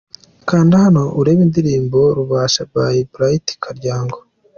Kanda hano urebe indirimbo Rubasha by Bright Karyango.